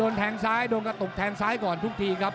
หนูสงงต้องตากลิ่นแทงซ้ายก่อนทุกทีครับ